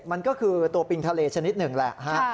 มันก็คือตัวปิงทะเลชนิดหนึ่งแหละฮะ